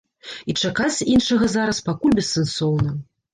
І чакаць іншага зараз пакуль бессэнсоўна.